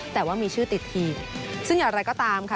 แต่ว่ามีชื่อติดทีมซึ่งอย่างไรก็ตามค่ะ